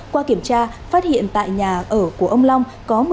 qua kiểm tra phát hiện tại nhà ở của ông long có một mươi năm xe mô tô